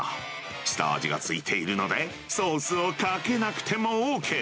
下味がついているので、ソースをかけなくてもＯＫ。